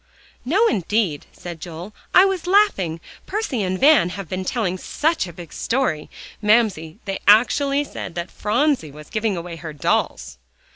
"No, indeed," said Joel, "I was laughing. Percy and Van have been telling such a big story. Mamsie, they actually said that Phronsie was giving away her dolls."